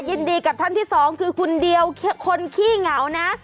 ยินดีกับท่านที่สองคือคนเดียวคนขี้เหงานะ